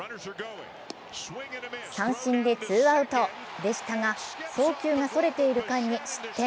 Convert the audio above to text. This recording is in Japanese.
三振でツーアウトでしたが、送球がそれている間に失点。